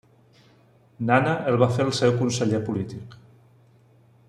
Nana el va fer el seu conseller polític.